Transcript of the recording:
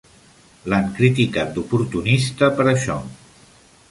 L'han criticat d'oportunista per això.